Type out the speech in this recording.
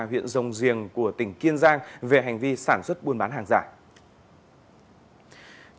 huyện rồng riềng của tỉnh kiên giang về hành vi sản xuất buôn bán hàng giải